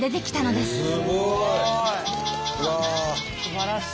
すばらしい。